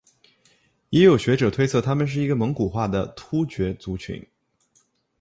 也有学者推测他们是一个蒙古化的突厥族群。